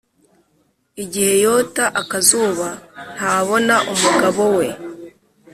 igihe yota akazuba nta abona umugabo we